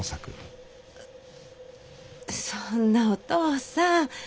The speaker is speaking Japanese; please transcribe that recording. そんなお義父さん